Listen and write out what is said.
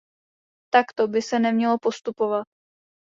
Takto by se nemělo postupovat.